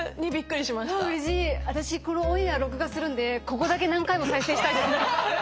私このオンエア録画するんでここだけ何回も再生したいです。